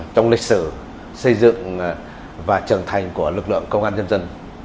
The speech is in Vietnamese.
trong lịch sử xây dựng và trưởng thành của lực lượng công an nhân dân